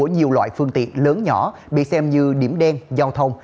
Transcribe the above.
nhiều loại phương tiện lớn nhỏ bị xem như điểm đen giao thông